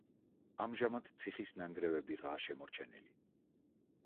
ამჟამად ციხის ნანგრევებიღაა შემორჩენილი.